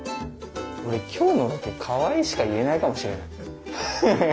俺今日のロケ「かわいい」しか言えないかもしれない。